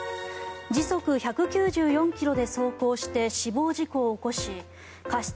時速１９４ｋｍで走行して死亡事故を起こし過失